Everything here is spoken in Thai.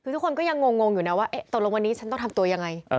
ทุกคนก็ยังงงว่าวันนี้ต้องทำตัวยังไง